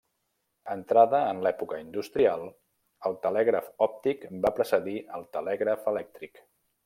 Entrada en l'època industrial, el telègraf òptic va precedir al telègraf elèctric.